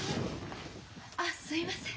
あっすいません。